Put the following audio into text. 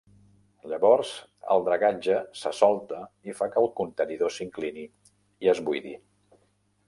Llavors, el dragatge se solta i fa que el contenidor s'inclini i es buidi.